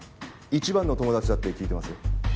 いちばんの友達だって聞いてますよ。